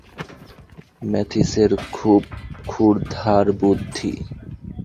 ম্যাথিসের খুব ক্ষুরধার বুদ্ধি।